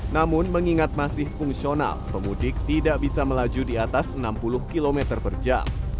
namun mengingat masih fungsional pemudik tidak bisa melaju di atas enam puluh km per jam